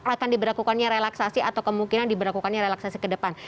akan diberlakukannya relaksasi atau kemungkinan diberlakukannya relaksasi ke depan